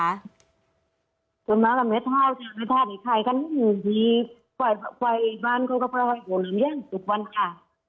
เมื่อเมื่อเท่าใครก็ไม่รู้ดีปล่อยปล่อยบ้านเขาก็ปล่อยปล่อยบ้านอย่างเยี่ยมทุกวันค่ะ